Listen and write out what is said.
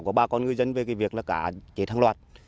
của ba con người dân về việc cá chết đồng loạt